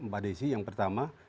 pak desi yang pertama